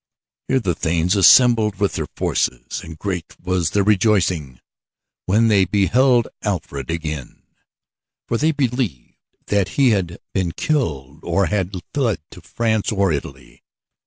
Here the thanes assembled with their forces, and great was their rejoicing when they beheld Alfred again, for they believed that he had been killed or had fled to France or Italy.